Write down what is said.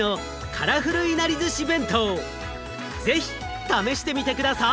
是非試してみて下さい！